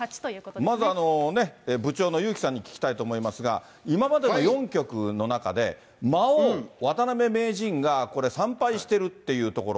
まず、部長のゆうきさんに聞きたいと思いますが、今までの４局の中で、魔王、渡辺名人がこれ、３敗してるっていうところ。